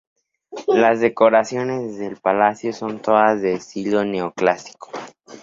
Las decoraciones del palacio son todas de estilo neoclásico.